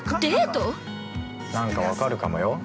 何か分かるかもよ。